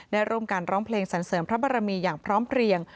ได้ร่วมกันร้องเพลงสรรเสริมพระบรมีอย่างพร้อมเพลียง